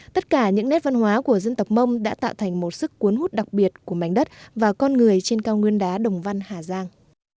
tất cả những nét văn hóa của dân tộc mông đã tạo thành một sức cuốn hút đặc biệt của mảnh đất và con người trên cao nguyên đá đồng văn hà giang